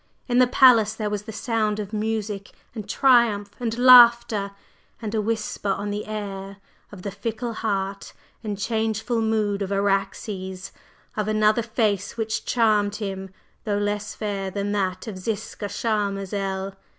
in the palace there was the sound of music and triumph and laughter, and a whisper on the air of the fickle heart and changeful mood of Araxes; of another face which charmed him, though less fair than that of Ziska Charmazel!